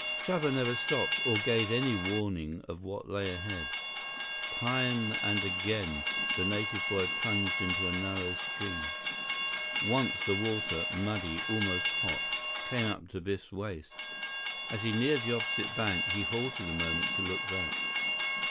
Chuba never stopped, or gave any warning of what lay ahead. Time and again the native boy plunged into a narrow stream. Once the water, muddy, almost hot, came up to Biff's waist. As he neared the opposite bank, he halted a moment to look back.